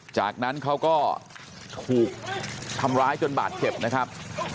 จากนั้นเขาก็ถูกทำร้ายจนบาดเจ็บนะครับ